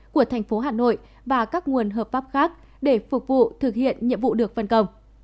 của thành phố hà nội và các nguồn hợp pháp khác để phục vụ thực hiện nhiệm vụ được phân công